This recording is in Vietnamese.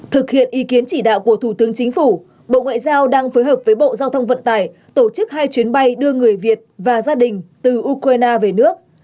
thực hiện ý kiến chỉ đạo của thủ tướng chính phủ bộ ngoại giao đang phối hợp với bộ giao thông vận tải tổ chức hai chuyến bay đưa người việt và gia đình từ ukraine về nước